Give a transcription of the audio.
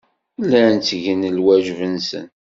Llan ttgen lwajeb-nsen.